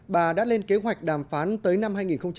bà đã lên kế hoạch đàm phán tới năm hai nghìn một mươi chín